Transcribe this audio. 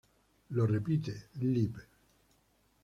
Lo repite, "lib.